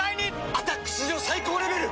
「アタック」史上最高レベル！